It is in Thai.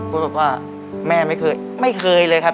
บอกว่าแม่ไม่เคยไม่เคยเลยครับ